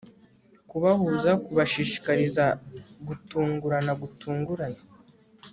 Kubahuza kubashishikariza gutungurana gutunguranye